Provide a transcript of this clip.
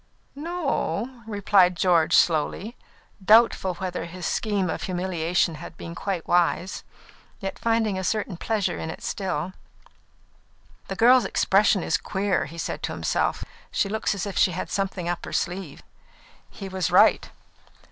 "No o," replied George slowly, doubtful whether his scheme of humiliation had been quite wise, yet finding a certain pleasure in it still. "The girl's expression is queer," he said to himself. "She looks as if she had something up her sleeve." He was right.